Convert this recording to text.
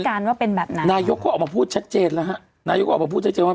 คือนายกก็ออกมาพูดชัดเจนนะฮะนายกกออกมาพูดชัดเจนว่า